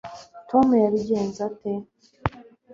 tom yabigenze ate